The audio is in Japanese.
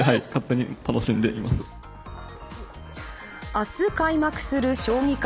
明日開幕する将棋界